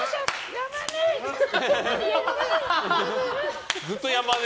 山根！